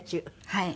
はい。